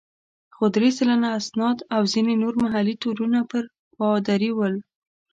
خو درې سلنه اسناد او ځینې نور محلي تورونه پر پادري ول.